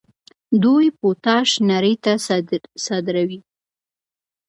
دوی پوټاش نړۍ ته صادروي.